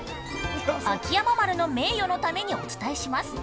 ◆秋山丸の名誉のためにお伝えします。